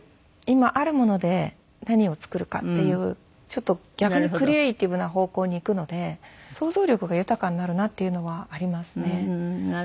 今あるもので何を作るかっていうちょっと逆にクリエーティブな方向にいくので想像力が豊かになるなっていうのはありますね。